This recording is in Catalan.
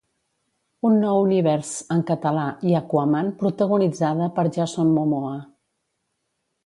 Un nou univers en català i Aquaman protagonitzada per Jason Momoa.